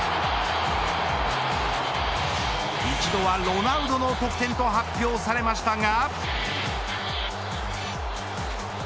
一度は、ロナウドの得点と発表されましたが。